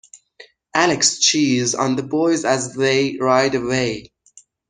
Alex cheers on the boys as they ride away.